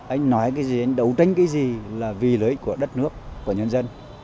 anh nói cái gì đấu tranh cái gì là vì lợi ích của đất nước của nhân dân